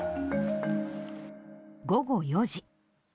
午後４時。